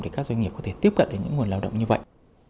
để các doanh nghiệp có thể tiếp cận đến những nguồn lao động như vậy